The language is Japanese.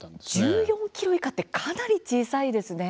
１４ｋｇ以下ってかなり小さいですね。